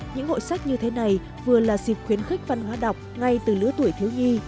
những hội sách như thế này vừa là dịp khuyến khích văn hóa đọc ngay từ lứa tuổi thiếu nhi